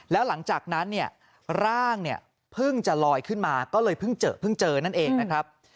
แล้วหลังจากนั้นร่างเพิ่งจะลอยขึ้นมาก็เลยเพิ่งเจอนั่นเองนะครับ